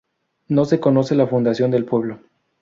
No se conoce la fundación del pueblo.